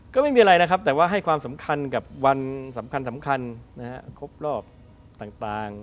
ก็ไม่มีอะไรนะครับแต่ว่าให้ความสำคัญกับวันสำคัญครบรอบต่าง